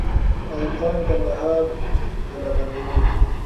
ایوب خان کندهار قلابندوي.